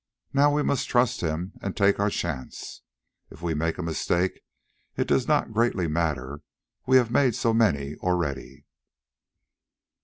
Now we must trust him and take our chance; if we make a mistake, it does not greatly matter—we have made so many already."